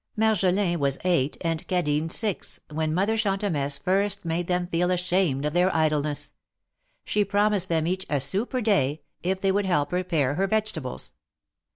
Marjolin was eight and Cadine six, when Mother Chan temesse first made them feel ashamed of their idleness. She promised them each a sou per day, if they would help her pare her vegetables.